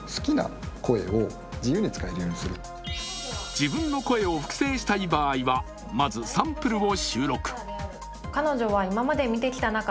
自分の声を複製したい場合はまずサンプルを収録。